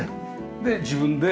で自分で。